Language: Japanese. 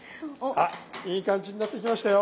あいい感じになってきましたよ！